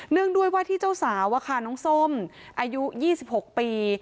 เนื่องด้วยวาที่เจ้าสาวอะค่ะน้องส้มอายุ๒๖ปี